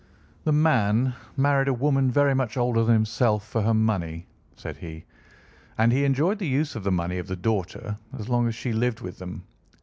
"The man married a woman very much older than himself for her money," said he, "and he enjoyed the use of the money of the daughter as long as she lived with them.